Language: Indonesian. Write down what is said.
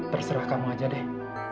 terserah kamu aja deh